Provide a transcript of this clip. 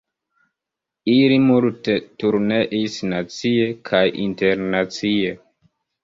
Ili multe turneis, nacie kaj internacie.